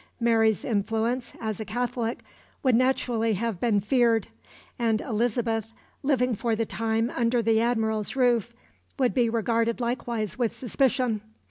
Mary's influence, as a Catholic, would naturally have been feared; and Elizabeth, living for the time under the Admiral's roof, would be regarded likewise with suspicion.